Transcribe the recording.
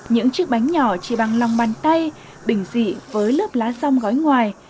những chiếc bánh nhỏ chỉ bằng lòng bàn tay bình dị với lớp lá rong gói ngoài